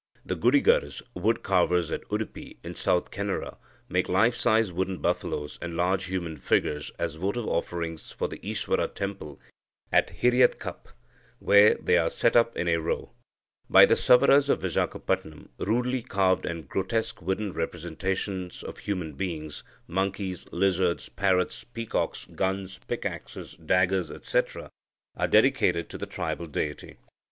The Gudigars (wood carvers) at Udipi in South Canara make life size wooden buffaloes and large human figures as votive offerings for the Iswara Temple at Hiriadkap, where they are set up in a row. By the Savaras of Vizagapatam, rudely carved and grotesque wooden representations of human beings, monkeys, lizards, parrots, peacocks, guns, pickaxes, daggers, etc., are dedicated to the tribal deity.